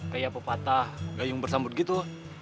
kayak pepatah gayung bersambut gitu